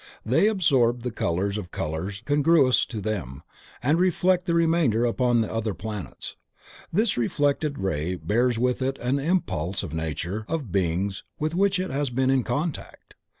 They absorb the color or colors congruous to them, and reflect the remainder upon the other planets. This reflected ray bears with it an impulse of the nature of the beings with which it has been in contact.